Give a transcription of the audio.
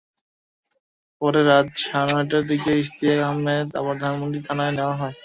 পরে রাত সাড়ে নয়টার দিকে ইশতিয়াক আহমেদকে আবার ধানমন্ডি থানায় নেওয়া হয়।